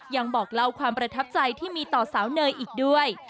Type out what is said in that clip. ยังบอกเล่าความประทับใจที่มีต่อสาวเนยอีกด้วย